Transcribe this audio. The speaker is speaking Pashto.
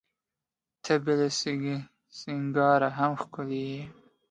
ته بې له سینګاره هم ښکلي یې.